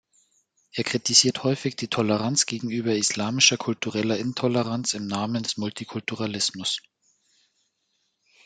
Er kritisiert häufig die Toleranz gegenüber islamischer kultureller Intoleranz im Namen des Multikulturalismus.